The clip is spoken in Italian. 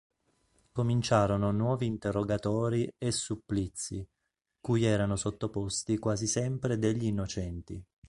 Cominciarono nuovi interrogatori e supplizi, cui erano sottoposti quasi sempre degli innocenti.